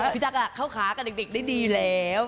พี่จักรเข้าขากับเด็กได้ดีแล้ว